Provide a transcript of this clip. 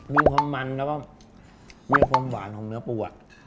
มีความมันแล้วก็มีความหวานของเนื้อปูอ่ะ